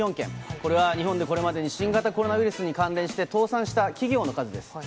これは日本でこれまでに新型コロナウイルスに関連して、倒産した企業の数です。